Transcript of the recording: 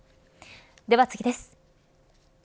では次です。